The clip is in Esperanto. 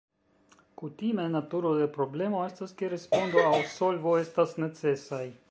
Kutime, naturo de problemo estas ke respondo aŭ solvo estas necesaj.